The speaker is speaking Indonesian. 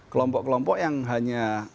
kelompok kelompok yang hanya